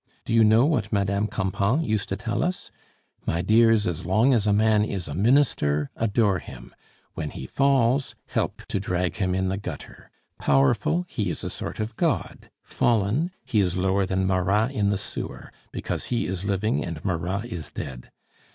Do you know what Madame Campan used to tell us? 'My dears, as long as a man is a minister, adore him; when he falls, help to drag him in the gutter. Powerful, he is a sort of god; fallen, he is lower than Marat in the sewer, because he is living, and Marat is dead.